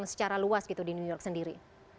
secara luas gitu di new york sendiri